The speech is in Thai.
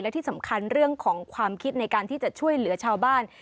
และที่สำคัญเรื่องของความคิดในการที่จะช่วยเหลือชาวบ้าน